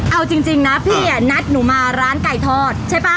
เอาจริงนะพี่นัดหนูมาร้านไก่ทอดใช่ป่ะ